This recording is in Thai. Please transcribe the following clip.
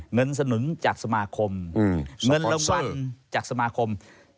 เงินสนุนจากสมาคมเงินรางวัลจากสมาคม